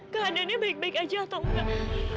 keadaannya baik baik aja atau enggak